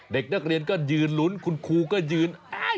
เด็กนักเรียนก็ยืนลุ้นคุณครูก็ยืน